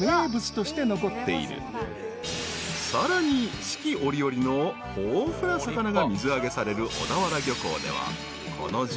［さらに四季折々の豊富な魚が水揚げされる小田原漁港ではこの時季アジやブリ。